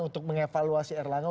untuk mengevaluasi erlangga